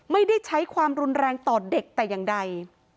ไม่ได้ใช้ความรุนแรงต่อเด็กแต่อย่างใด